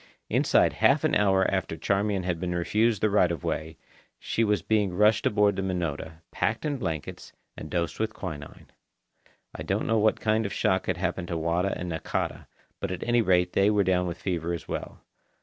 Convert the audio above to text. Inside half an hour after Charmian had been refused the right of way, she was being rushed aboard the Minota, packed in blankets, and dosed with quinine. I don't know what kind of shock had happened to Wada and Nakata, but at any rate they were down with fever as well.